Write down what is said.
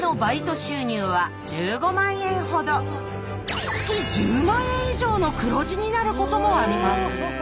月１０万円以上の黒字になることもあります。